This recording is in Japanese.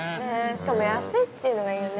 しかも安いっていうのがいいよね。